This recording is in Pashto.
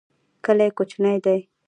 کلی کوچنی دی.